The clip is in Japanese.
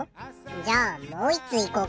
じゃあもう一通いこうか。